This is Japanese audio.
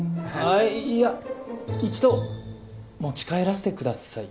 あっいや１度持ち帰らせてください。